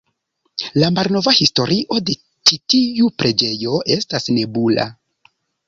La malnova historio de ĉi tiu preĝejo estas nebula.